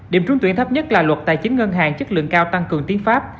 điểm trúng tuyển thấp nhất là luật tài chính ngân hàng chất lượng cao tăng cường tiếng pháp